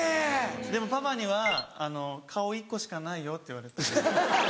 でもパパには「顔１個しかないよ」って言われて。